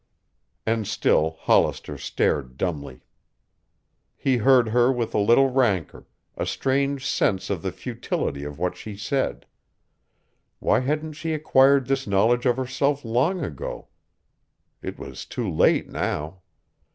And still Hollister stared dumbly. He heard her with a little rancor, a strange sense of the futility of what she said. Why hadn't she acquired this knowledge of herself long ago? It was too late now.